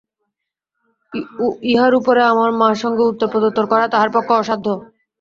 ইহার উপরে আবার মার সঙ্গে উত্তর-প্রত্যুত্তর করা তাহার পক্ষে অসাধ্য।